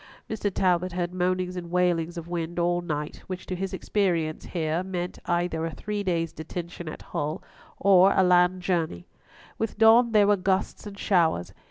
Mr. Talbot heard moanings and wailings of wind all night, which to his experience here meant either a three days' detention at Hull, or a land journey. With dawn there were gusts and showers.